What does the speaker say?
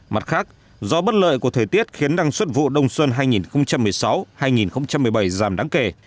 mặt khác do bất lợi của thời tiết khiến năng suất vụ đông xuân hai nghìn một mươi sáu hai nghìn một mươi bảy giảm đáng kể